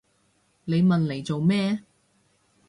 你問嚟做咩？